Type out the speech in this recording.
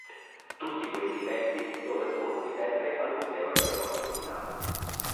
Tutti questi pezzi sono esposti sempre al museo archeologico di Napoli.